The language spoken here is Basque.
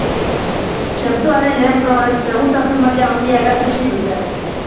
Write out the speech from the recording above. Txertoaren lehen frogek segurtasun maila haundia erakutsi dute.